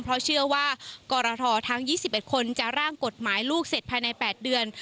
เพราะเชื่อว่ากรททั้ง๒๑คนจะร่างกฎหมายลูกเสร็จภายใน๘เดือน